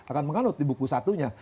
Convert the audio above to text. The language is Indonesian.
akan menganut di buku satunya